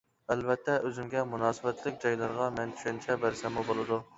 ئەلۋەتتە ئۆزۈمگە مۇناسىۋەتلىك جايلارغا مەن چۈشەنچە بەرسەممۇ بولىدۇ.